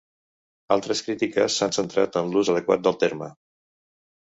Altres crítiques s'han centrat en l'ús adequat del terme.